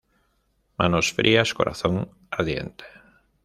Manos frías, corazón ardiente